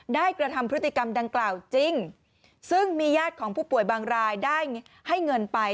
กระทำพฤติกรรมดังกล่าวจริงซึ่งมีญาติของผู้ป่วยบางรายได้ให้เงินไป